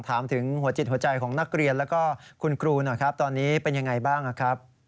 ถามถึงหัวจิตหัวใจของนักเรียนแล้วก็คุณครูหน่อยครับตอนนี้เป็นยังไงบ้างครับ